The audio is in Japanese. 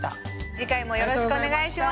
次回もよろしくお願いします。